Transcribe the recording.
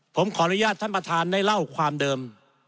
ผมขออนุญาตท่านประธานได้เล่าความเดิม